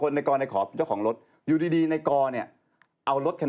ขอ่ะในกิโกะเป็นเจ้าของอยู่ด้วยแค่นั้นเองง่ายเลย